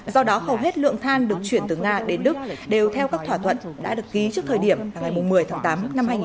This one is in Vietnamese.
do đó hầu hết lượng than được chuyển từ nga đến đức đều theo các thỏa thuận đã được ký trước thời điểm ngày một mươi tháng tám năm hai nghìn một mươi tám